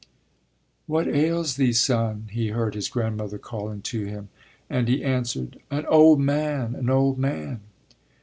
What ails thee, Son? he heard his grandmother calling to him, and he answered: an old man, an old man.